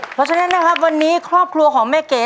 เพราะฉะนั้นนะครับวันนี้ครอบครัวของแม่เก๋